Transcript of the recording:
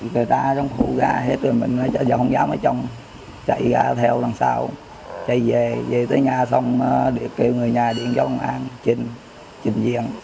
kêu người nhà điện cho công an chỉnh diện